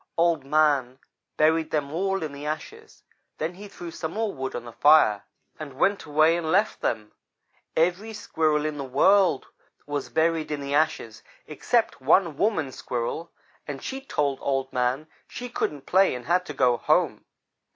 "Old man buried them all in the ashes then he threw some more wood on the fire and went away and left them. Every Squirrel there was in the world was buried in the ashes except one woman Squirrel, and she told Old man she couldn't play and had to go home.